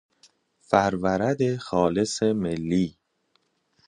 فرورد خالص ملی